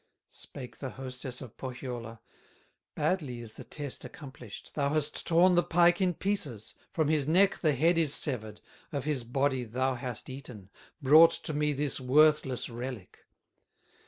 Spake the hostess of Pohyola: "Badly is the test accomplished, Thou has torn the pike in pieces, From his neck the head is severed, Of his body thou hast eaten, Brought to me this worthless relic!"